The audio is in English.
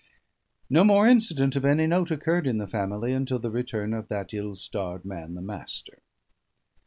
No more incident of any note occurred in the family until the return of that ill starred man, the Master.